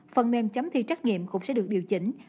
phần mềm chấm thi trách nhiệm cũng sẽ được điều chỉnh